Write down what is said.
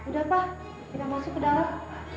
udah pak kita masuk ke dalam